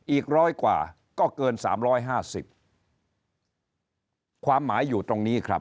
อีกร้อยกว่าก็เกิน๓๕๐ความหมายอยู่ตรงนี้ครับ